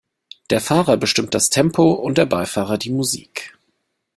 Der Fahrer bestimmt das Tempo und der Beifahrer die Musik.